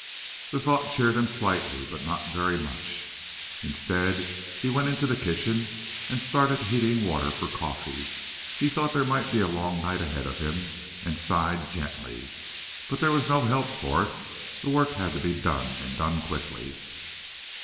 The thought cheered him slightly, but not very much. Instead, he went into the kitchen and started heating water for coffee. He thought there might be a long night ahead of him, and sighed gently. But there was no help for it. The work had to be done, and done quickly.